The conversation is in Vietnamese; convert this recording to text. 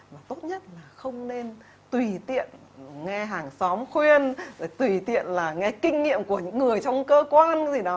mà tốt nhất là không nên tùy tiện nghe hàng xóm khuyên tùy tiện là nghe kinh nghiệm của những người trong cơ quan gì đó